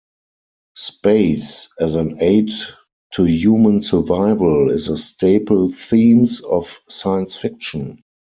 Space as an aid to human survival is a staple themes of science fiction.